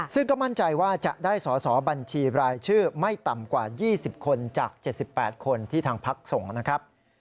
ซึ่งก็มั่นใจว่าจะได้สอสอบัญชีรายชื่อไม่ต่ำกว่า๒๐คนจาก๗๘คนที่ทางพักส่งนะครับ